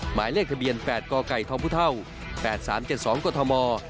หมายเลขทะเบียน๘กไก่ทองพุท่าว๘๓๗๒กทม